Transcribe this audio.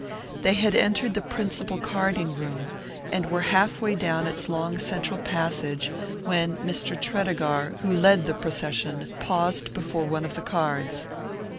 They had entered the principal carding room, and were half way down its long central passage, when Mr. Tredegar, who led the procession, paused before one of the cards.